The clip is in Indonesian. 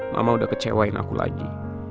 mama udah kecewain aku lagi